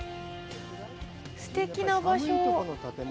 すてきな場所。